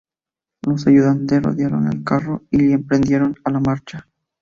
Los ayudantes rodearon el carro y emprendieron la marcha.